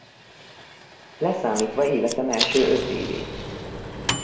Leszámítva életem első öt évét.